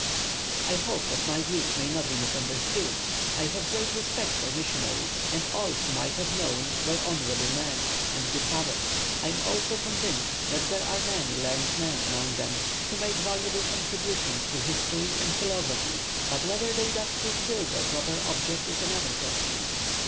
I hope that my views may not be misunderstood; I have great respect for missionaries, and all whom I have known were honourable men, and good fathers; I am also convinced that there are many learned men among them, who make valuable contributions to history and philosophy, but whether they thus fulfil their proper object is another question.